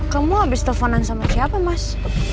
kamu abis telfonan sama siapa mas